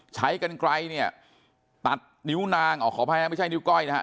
ใช้กันไกลเนี่ยตัดนิ้วนางอ๋อขออภัยนะไม่ใช่นิ้วก้อยนะฮะ